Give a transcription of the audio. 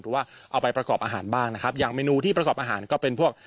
หรือว่าเอาไปประกอบอาหารบ้างนะครับอย่างเมนูที่ประกอบอาหารก็เป็นพวก